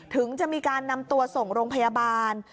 ถึงจะมีการนำตัวส่งโรงพยาบาล